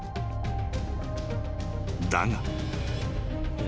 ［だが］